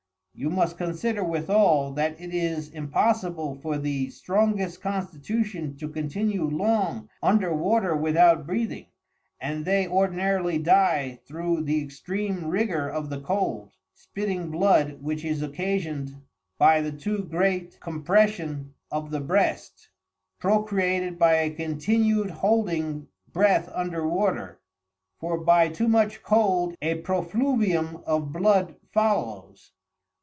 You must consider withall, that it is impossible for the strongest constitution to continue long under Water without breathing, and they ordinarily dye through the extream rigor of the Cold, spitting Blood which is occasioned by the too great compression of the Breast, procreated by a continued holding breath under Water, for by too much cold a profluvium of blood follows.